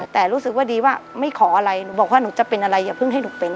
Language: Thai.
แต่รู้สึกว่าดีว่าไม่ขออะไรหนูบอกว่าหนูจะเป็นอะไรอย่าเพิ่งให้หนูเป็น